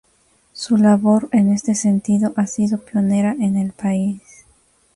Su labor en este sentido ha sido pionera en el país.